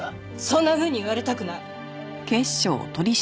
そんなふうに言われたくない！